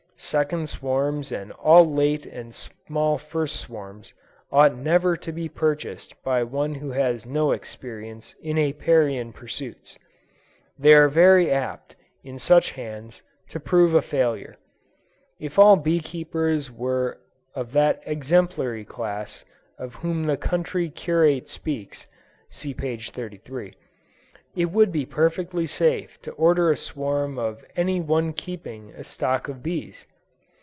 Second swarms and all late and small first swarms, ought never to be purchased by one who has no experience in Apiarian pursuits. They are very apt, in such hands, to prove a failure. If all bee keepers were of that exemplary class of whom the Country Curate speaks, (see p. 33,) it would be perfectly safe to order a swarm of any one keeping a stock of bees.